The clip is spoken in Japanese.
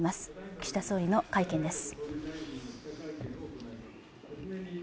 岸田総理の会見です。